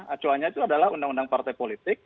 acuannya itu adalah undang undang partai politik